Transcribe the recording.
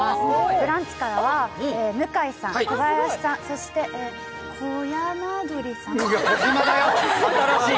「ブランチ」からは向井さん、小林さん、そして、こやまどりさん。